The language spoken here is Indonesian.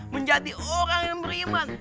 menjadi orang yang beriman